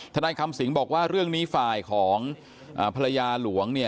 ธนัยคำสิงห์บอกว่าเรื่องนี้ฝ่ายของภรรยาหลวง